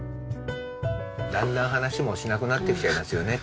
だんだん話もしなくなってきちゃいますよね